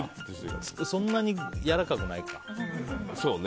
そんなにやわらかくないか。